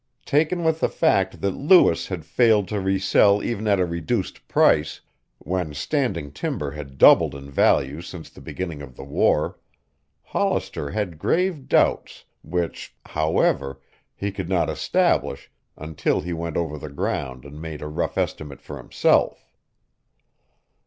Taken with the fact that Lewis had failed to resell even at a reduced price, when standing timber had doubled in value since the beginning of the war, Hollister had grave doubts, which, however, he could not establish until he went over the ground and made a rough estimate for himself.